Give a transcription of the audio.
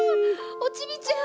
おチビちゃん。